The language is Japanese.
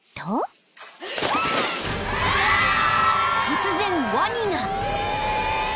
［突然ワニが！］